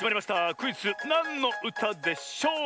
クイズ「なんのうたでしょう」！